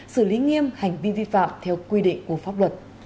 xử lý nghiêm hành vi vi phạm theo quy định của pháp luật